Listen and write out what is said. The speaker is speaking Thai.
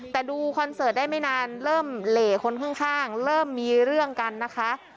แต่ดูคอนเสิร์ตได้ไม่นานเริ่มเหล่คนข้างเริ่มมีเรื่องกันนะคะ